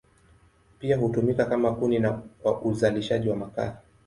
Pia hutumika kama kuni na kwa uzalishaji wa makaa.